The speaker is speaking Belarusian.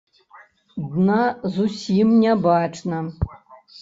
Дна зусім не бачна.